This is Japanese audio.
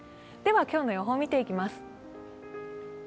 では今日の予報を見ていきます。